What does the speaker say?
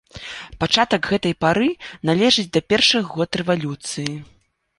Пачатак гэтай пары належыць да першых год рэвалюцыі.